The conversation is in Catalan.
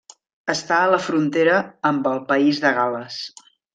Està a la frontera amb el país de Gal·les.